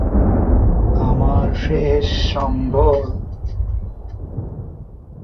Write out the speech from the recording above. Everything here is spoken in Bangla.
আমার শেষ সম্বল।